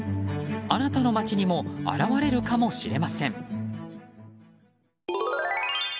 あなたの街にも現れるかもしれません。